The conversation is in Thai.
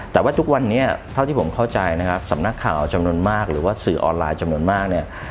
แต่ว่าทุกวันนี้เท่าที่ผมเข้าใจนะครับสำนักข่าวจำนวนมากหรือว่าสื่อออนไลน์จำนวนมากเนี่ย